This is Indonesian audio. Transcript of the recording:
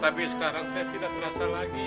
tapi sekarang saya tidak terasa lagi